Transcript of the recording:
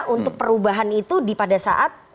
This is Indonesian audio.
untuk perubahan itu pada saat